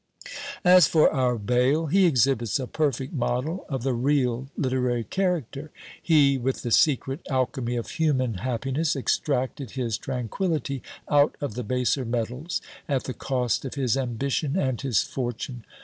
As for our Bayle, he exhibits a perfect model of the real literary character. He, with the secret alchymy of human happiness, extracted his tranquillity out of the baser metals, at the cost of his ambition and his fortune.